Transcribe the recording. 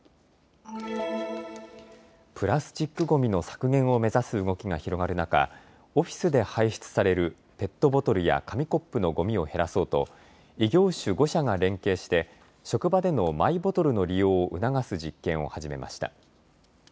プラスチックごみの削減を目指す動きが広がる中、オフィスで排出されるペットボトルや紙コップのごみを減らそうと異業種５社が連携して職場でのマイボトルの利用を促す実験を始めました。